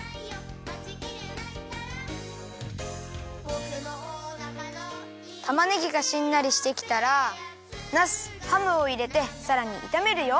「ぼくのおなかの」たまねぎがしんなりしてきたらナスハムをいれてさらにいためるよ。